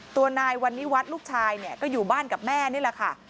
ตัวนายวันนี้วัดลูกชายเนี่ยก็อยู่บ้านกับแม่นี่แหละค่ะ